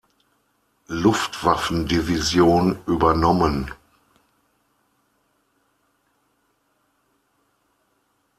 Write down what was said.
Luftwaffendivision übernommen.